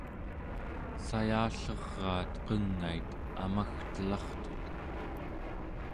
sayalleraat qengait amagtelartut